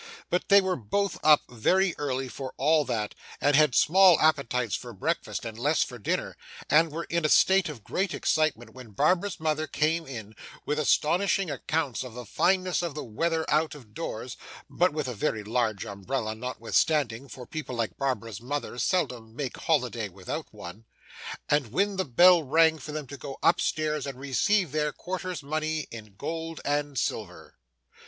But they were both up very early for all that, and had small appetites for breakfast and less for dinner, and were in a state of great excitement when Barbara's mother came in, with astonishing accounts of the fineness of the weather out of doors (but with a very large umbrella notwithstanding, for people like Barbara's mother seldom make holiday without one), and when the bell rang for them to go up stairs and receive their quarter's money in gold and silver.